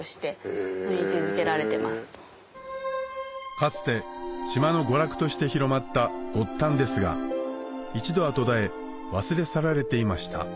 かつて島の娯楽として広まったゴッタンですが一度は途絶え忘れ去られていました